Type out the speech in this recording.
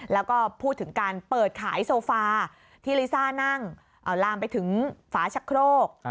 แล้วก็พูดถึงการเปิดขายโซฟาที่ลิซ่านั่งลามไปถึงฝาชะโครก